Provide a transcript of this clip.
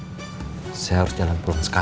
mau eloksepsi terhadap ibu jje trus mereka